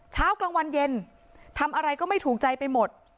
เช้ากลางวันเย็นทำอะไรก็ไม่ถูกใจไปหมด